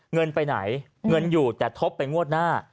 เงินไปไหนเงินอยู่แต่ทบไปงวดหน้า